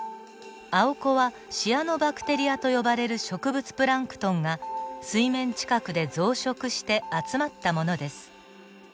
アオコはシアノバクテリアと呼ばれる植物プランクトンが水面近くで増殖して集まったものです。